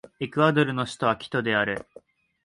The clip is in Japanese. エクアドルの首都はキトである